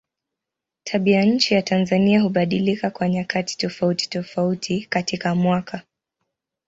Tabianchi ya Tanzania hubadilika kwa nyakati tofautitofauti katika mwaka.